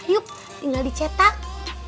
yuk tinggal dicetak